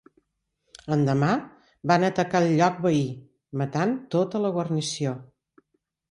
L'endemà van atacar el lloc veí, matant a tota la guarnició.